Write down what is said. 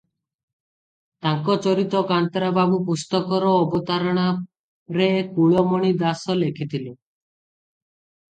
ତାଙ୍କ ରଚିତ କାନ୍ତରା ବାବୁ ପୁସ୍ତକର ଅବତାରଣାରେ କୁଳମଣି ଦାଶ ଲେଖିଥିଲେ ।